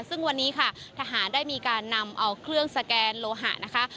ซึ่งวันนี้ค่ะทหารได้มีการนำเอาเครื่องสแกนโลหะนะคะ